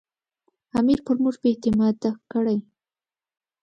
امیر پر موږ بې اعتماده کړي.